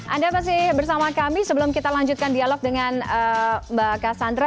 anda masih bersama kami sebelum kita lanjutkan dialog dengan mbak cassandra